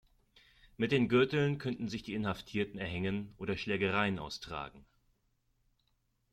Mit den Gürteln könnten sich die Inhaftierten erhängen oder Schlägereien austragen.